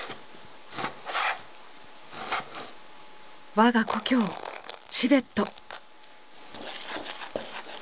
我が故郷チベット。